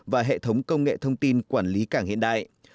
và hệ thống công nghệ thông tin quản lý cảng hiện đại